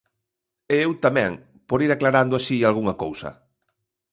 E eu tamén, por ir aclarando así algunha cousa.